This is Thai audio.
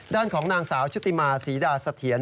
ด้านของนางสาวชุติมาศรีดาเสถียร